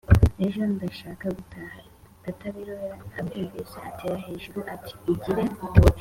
ejo ndashaka gutaha.” Katabirora abyumvise atera hejuru ati: “Ugire